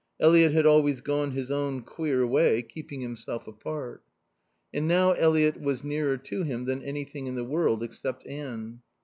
Eliot had always gone his own queer way, keeping himself apart. And now Eliot was nearer to him than anything in the world, except Anne.